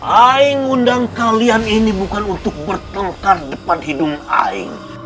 aing undang kalian ini bukan untuk bertengkar depan hidung aing